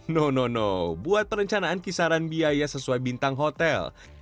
nono buat perencanaan kisaran biaya sesuai bintang hotel